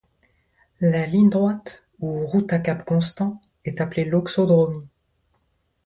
La ligne droite, ou route à cap constant, est appelée loxodromie.